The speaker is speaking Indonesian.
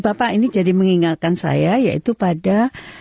bapak ini jadi mengingatkan saya yaitu pada